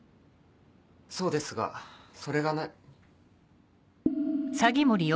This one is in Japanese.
そうですがそれが何。